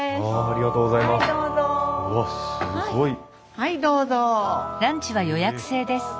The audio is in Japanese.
はいどうぞ。